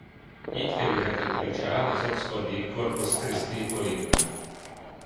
Így kerülhetett Richard az oxfordi Corpus Christi kollégiumba.